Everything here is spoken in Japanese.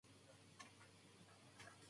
やりたいようにやる